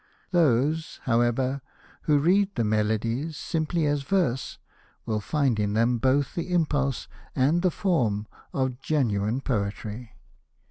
Those, however, who read the Melodies simply as verse, will find in them both the impulse and the form of genuine poetry.